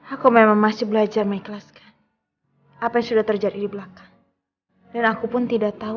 aku memang masih belajar mengikhlaskan apa yang sudah terjadi di belakang dan aku pun tidak tahu